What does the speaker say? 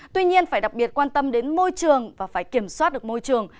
tuy nhiên phải đặc biệt quan tâm đến môi trường và phải kiểm soát được môi trường